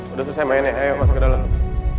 udah selesai main ya ayo masuk ke dalam